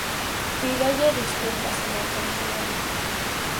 Pídolle desculpas, señor presidente.